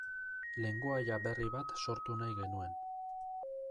Lengoaia berri bat sortu nahi genuen.